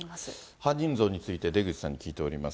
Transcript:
犯人像について、出口さんに聞いております。